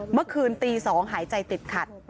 เมื่อคืนตี๒หายใจติดขัด